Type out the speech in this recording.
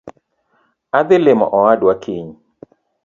Adhii limo owadwa kiny.